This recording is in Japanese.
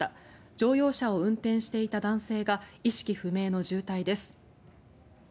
乗用車を運転していた男性が意識不明の重体です。